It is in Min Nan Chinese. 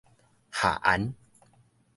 合絚